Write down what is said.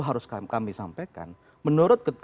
harus kami sampaikan menurut